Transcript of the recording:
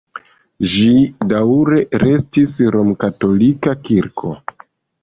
Ĝi daŭre restis romkatolika kirko.